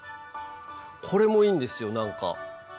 これもいいんですよなんか。